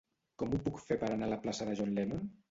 Com ho puc fer per anar a la plaça de John Lennon?